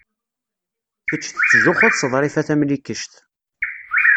Kecc tettzuxxuḍ s Ḍrifa Tamlikect.